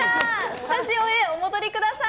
スタジオへお戻りください。